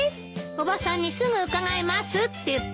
おばさんに「すぐ伺います」って言って。